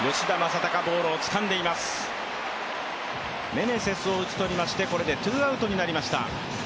メネセスを打ち取りましてこれでツーアウトになりました。